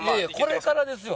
これからですよ